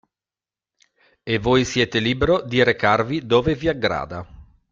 E voi siete libero di recarvi dove vi aggrada.